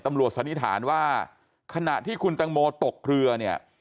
สันนิษฐานว่าขณะที่คุณตังโมตกเรือเนี่ย